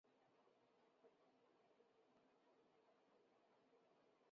斛斯椿之孙。